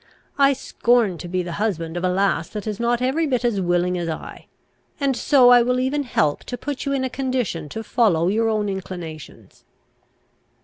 I scorn to be the husband of a lass that is not every bit as willing as I; and so I will even help to put you in a condition to follow your own inclinations."